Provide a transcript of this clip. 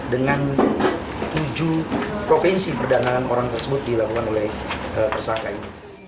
dengan tujuh provinsi perdanaan orang tersebut dilakukan oleh tersangka ini